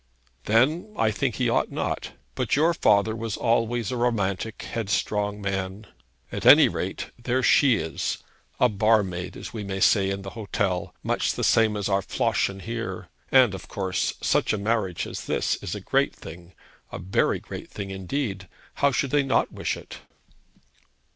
'Then I think he ought not. But your father was always a romantic, headstrong man. At any rate, there she is, bar maid, as we may say, in the hotel, much the same as our Floschen here; and, of course, such a marriage as this is a great thing; a very great thing, indeed. How should they not wish it?'